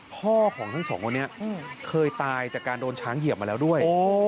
พ่อของทั้งสองคนนี้เคยตายจากการโดนช้างเหยียบมาแล้วด้วย